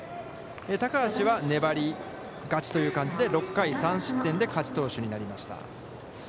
高橋は粘り勝ちという感じで、６回３失点で勝ち投手になりました。